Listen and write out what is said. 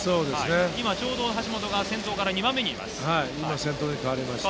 今、橋本が先頭から２番目にいます。